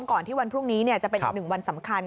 ก่อนที่วันพรุ่งนี้จะเป็นอีกหนึ่งวันสำคัญ